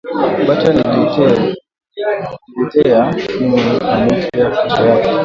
Bata nileteya simu ya mupya keshoyake